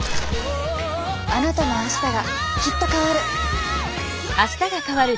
あなたの明日がきっと変わる。